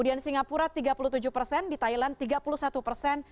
di singapura tiga puluh tujuh persen di thailand tiga puluh satu persen